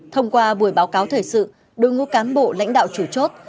thông qua buổi báo cáo thời sự đội ngũ cán bộ lãnh đạo chủ chốt